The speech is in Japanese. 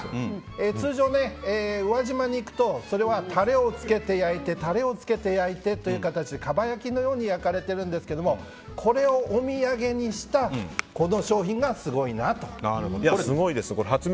通常宇和島に行くとそれはたれをつけて焼いてたれをつけて焼いてという形でかば焼きのように焼かれているんですがこれをお土産にしたこの商品がすごいなと。